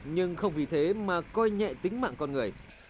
nhưng không vì thế mà coi nhẹ tính mạng con người